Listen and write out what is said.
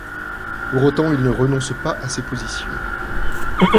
Pour autant, il ne renonce pas à ses positions.